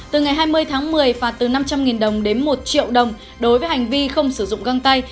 từ ngày hai mươi tháng một mươi phạt từ năm trăm linh đồng đến một triệu đồng đối với hành vi không sử dụng găng tay